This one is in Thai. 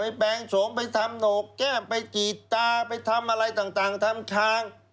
แปลงโฉมไปทำโหนกแก้มไปกรีดตาไปทำอะไรต่างทำคาง